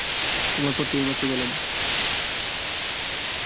তোমার পত্র এই মাত্র পেলাম।